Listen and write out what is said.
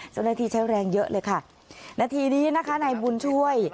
เจ้าหน้าที่ใช้แรงเยอะเลยค่ะนาทีนี้นะคะนายบุญช่วย